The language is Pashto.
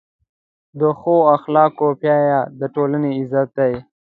د ښو اخلاقو پایله د ټولنې عزت ده.